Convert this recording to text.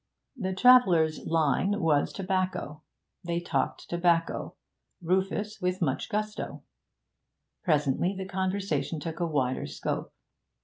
The traveller's 'line' was tobacco; they talked tobacco Rufus with much gusto. Presently the conversation took a wider scope.